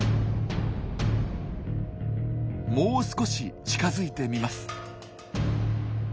もう少し近づいてみます。